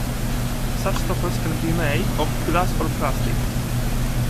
Such stoppers can be made of glass or plastic.